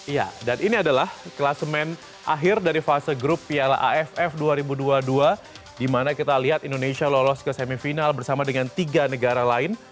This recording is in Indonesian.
ya dan ini adalah kelas main akhir dari fase grup piala aff dua ribu dua puluh dua di mana kita lihat indonesia lolos ke semifinal bersama dengan tiga negara lain